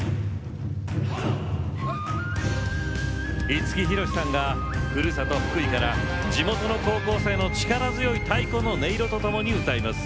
五木ひろしさんがふるさと・福井から地元の高校生の力強い太鼓の音色とともに歌います。